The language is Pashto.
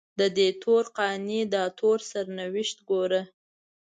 ددې تور قانع داتور سرنوشت ګوره